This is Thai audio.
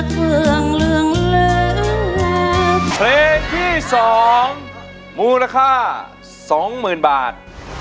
เพลงที่๒มูลค่า๒๐๐๐๐บาท